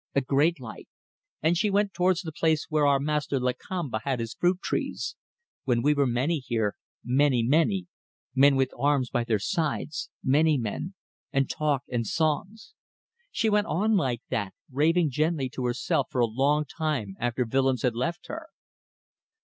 A great light. And she went towards the place where our master Lakamba had his fruit trees. When we were many here. Many, many. Men with arms by their side. Many ... men. And talk ... and songs ..." She went on like that, raving gently to herself for a long time after Willems had left her.